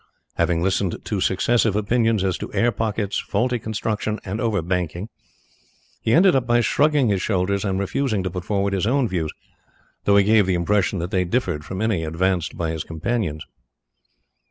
Having listened to successive opinions as to air pockets, faulty construction, and over banking, he ended by shrugging his shoulders and refusing to put forward his own views, though he gave the impression that they differed from any advanced by his companions.